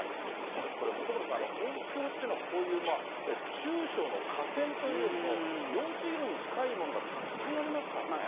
これ、本村さん、東京というのはこういう中小の河川というよりも、用水路に近いものがたくさんありますからね。